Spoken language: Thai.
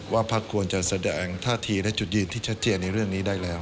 พักควรจะแสดงท่าทีและจุดยืนที่ชัดเจนในเรื่องนี้ได้แล้ว